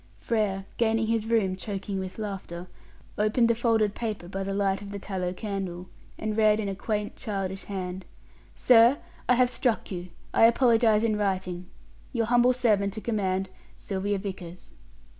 Frere, gaining his room choking with laughter, opened the folded paper by the light of the tallow candle, and read, in a quaint, childish hand: SIR, I have struck you. I apologize in writing. Your humble servant to command, SYLVIA VICKERS.